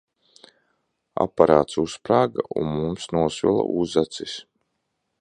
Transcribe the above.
Aparāts uzsprāga, un mums nosvila uzacis.